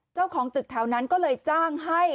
เจ้าของตึกแถวนั้นก็เลยจ้างให้